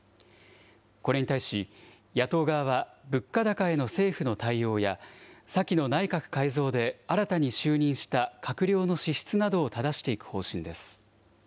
これに対し、野党側は物価高への政府の対応や、先の内閣改造で新たに就任した閣僚の資質などをただしていく方針です。